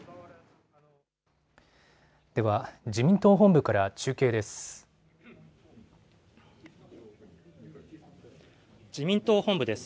では、自民党本部から中継です。